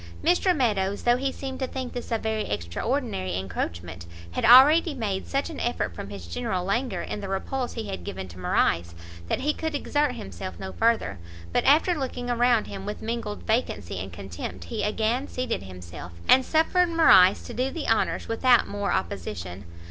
Mr Meadows, though he seemed to think this a very extraordinary encroachment, had already made such an effort from his general languor in the repulse he had given to Morrice, that he could exert himself no further; but after looking around him with mingled vacancy and contempt, he again seated himself, and suffered Morrice to do the honours without more opposition.